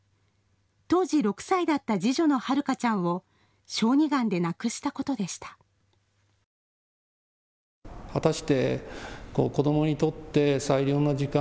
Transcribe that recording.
当時６歳だった次女のはるかちゃんを小児がんで亡くしたことでした。